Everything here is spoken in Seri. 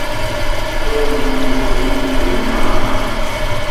Trooqui zo siique caha.